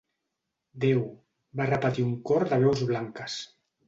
Déu —va repetir un cor de veus blanques.